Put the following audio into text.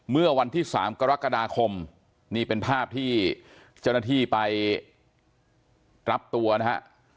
เมื่อวันที่๓กรกฎาคมนี่เป็นภาพที่เจ้าหน้าที่ไปรับตัวนะฮะ